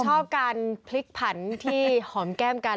ชอบการพลิกผันที่หอมแก้มกัน